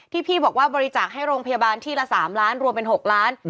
พี่บอกว่าบริจาคให้โรงพยาบาลที่ละ๓ล้านรวมเป็น๖ล้าน